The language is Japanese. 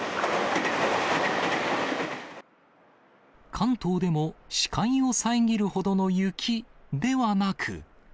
関東でも視界を遮るほどの雪ではなく。